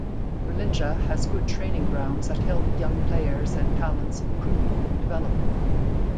Rilindja has good training grounds that help young players and talents improve and develop.